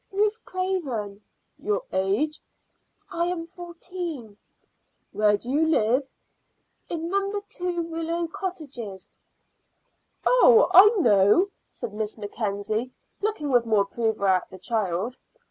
"Ruth Craven." "Your age?" "I am fourteen." "Where do you live?" "In No. 2 Willow Cottages." "Oh, I know," said Miss Mackenzie, looking with more approval at the child.